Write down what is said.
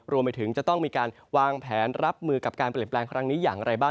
รวมไปถึงจะต้องมีการวางแผนรับมือกับการเปลี่ยนแปลงครั้งนี้อย่างไรบ้าง